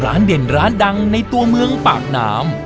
เด่นร้านดังในตัวเมืองปากน้ำ